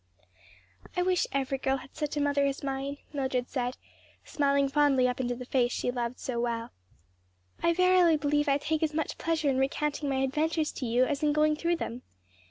"I wish every girl had such a mother as mine," Mildred said, smiling fondly up into the face she loved so well. "I verily believe I take as much pleasure in recounting my adventures to you as in going through them.